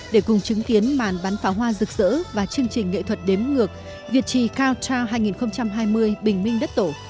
để cùng chứng kiến màn bắn pháo hoa đầy rực rỡ cũng như là chương trình nghệ thuật đếm ngược việt trì countdown hai nghìn hai mươi bình minh đất tổ